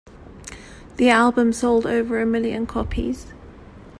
The album sold over a million copies.